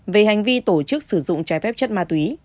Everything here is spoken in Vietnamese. về hành vi tổ chức sử dụng trái phép chất ma túy